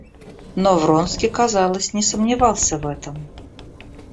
Но Вронский, казалось, не сомневался в этом.